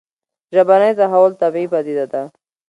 ژبني تحول طبیعي پديده ده